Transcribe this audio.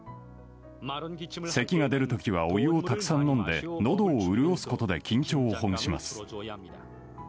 せきが出る時はお湯をたくさん飲んでのどを潤すことで緊張をほぐします。